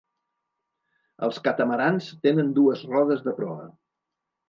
Els catamarans tenen dues rodes de proa.